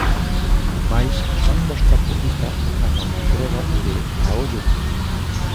Ademais, Xoán Costa publica unha nova entrega de "A ollo nu".